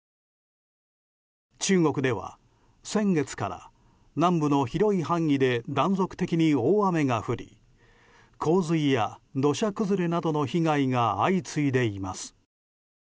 中国では先月から南部の広い範囲で断続的に大雨が降り洪水や土砂崩れなどの被害が相次いでいます。